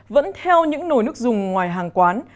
vẫn theo những nồi nước dùng ngoài hàng quán